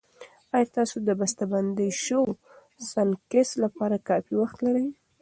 ایا تاسو د بستهبندي شويو سنکس لپاره کافي وخت لرئ؟